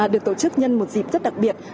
được tổ chức nhân một dịp rất đặc biệt